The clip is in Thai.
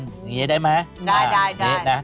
อย่างนี้ได้ไหม